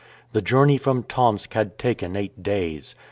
The journey from Tomsk had taken eight days.